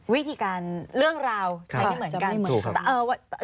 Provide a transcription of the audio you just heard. วิธีการเรื่องราวใครไม่เหมือนกัน